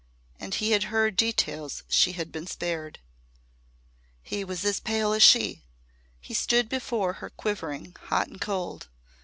And he had heard details she had been spared. He was as pale as she. He stood before her quivering, hot and cold.